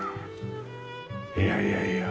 いやいやいや。